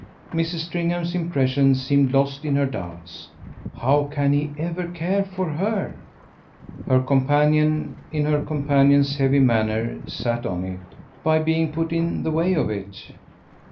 Mrs. Stringham's impression seemed lost in her doubts. "How can he ever care for her?" Her companion, in her companion's heavy manner, sat on it. "By being put in the way of it."